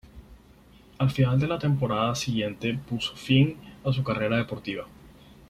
Al final de la temporada siguiente puso fin a su carrera deportiva.